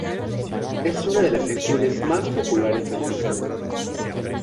Es una de las secciones más populares del programa.